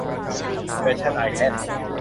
แฟชั่นไอส์แลนด์